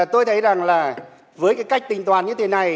tôi thấy rằng là với cái cách tính toán như thế này